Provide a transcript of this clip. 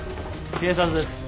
警察です。